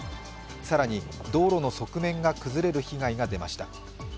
更に道路の側面が崩れる被害が出ました。